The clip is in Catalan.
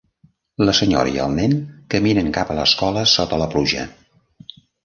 La senyora i el nen caminen cap a l'escola sota la pluja.